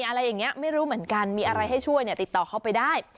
อะไรอย่างนี้ไม่รู้เหมือนกันมีอะไรให้ช่วยเนี่ยติดต่อเขาไปได้